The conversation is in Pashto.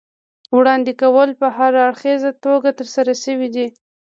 وړاندې کول په هراړخیزه توګه ترسره شوي دي.